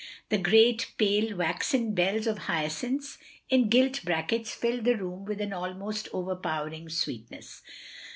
The great, pale, waxen bells of hyacinths in gilt backets filled the room with an almost overpowering sweetness.